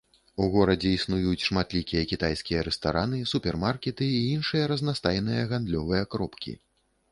У горадзе існуюць шматлікія кітайскія рэстараны, супермаркеты і іншыя разнастайныя гандлёвыя кропкі.